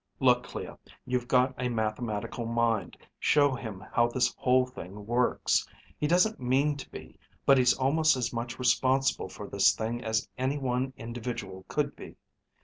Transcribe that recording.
Look, Clea, you've got a mathematical mind. Show him how this whole thing works. He doesn't mean to be, but he's almost as much responsible for this thing as any one individual could be.